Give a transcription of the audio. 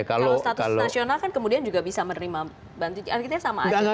kalau status nasional kan kemudian juga bisa menerima bantuan artinya sama aja